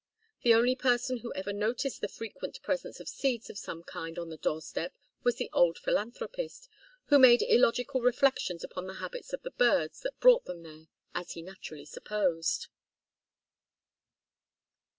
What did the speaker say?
The only person who ever noticed the frequent presence of seeds of some kind on the doorstep was the old philanthropist, who made illogical reflections upon the habits of the birds that brought them there, as he naturally supposed.